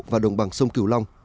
và đồng bằng sông kiểu long